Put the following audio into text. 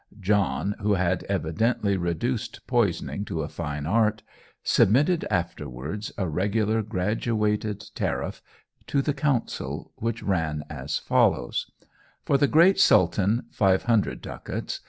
John, who had evidently reduced poisoning to a fine art, submitted afterwards a regular graduated tariff to the Council, which ran as follows For the great Sultan, 500 ducats.